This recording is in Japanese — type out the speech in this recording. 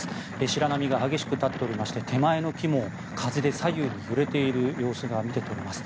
白波が激しく立っておりまして手前の木も風で左右に揺れている様子が見て取れます。